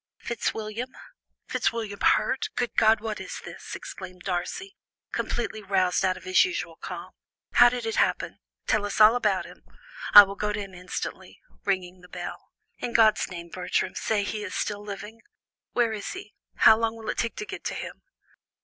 "Fitzwilliam? Fitzwilliam hurt! Good God, what is this?" exclaimed Darcy, completely roused out of his usual calm. "How did it happen? Tell us all about it. I will go to him instantly" (ringing the bell). "In God's name, Bertram, say he is still living? Where is he? How long will it take to get to him?"